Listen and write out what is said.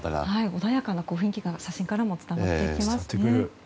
穏やかな雰囲気が写真からも伝わってきますね。